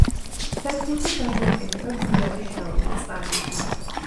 სადგურზე გამოიყენება მდინარე შაორის წყალი.